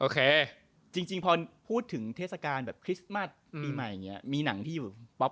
ก็ถือว่าเป็นวันยุดยาว